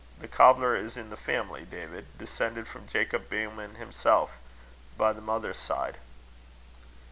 The cobbler is in the family, David, descended from Jacob Boehmen himself, by the mother's side."